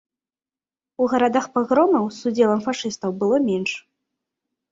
У гарадах пагромаў, з удзелам фашыстаў, было менш.